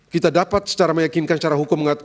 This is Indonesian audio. kita dapat secara meyakinkan secara hukum